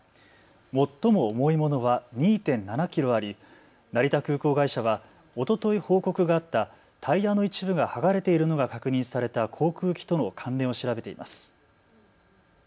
最も重いものは２．７キロあり成田空港会社は、おととい報告があったタイヤの一部が剥がれているのが確認された航空機との関連を調べています。